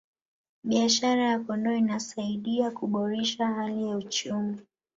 biashara ya kondoo inasaidia kuboresha hali ya uchumi